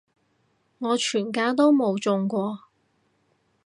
我全家都冇中過